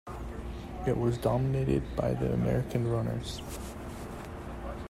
It was dominated by the American runners.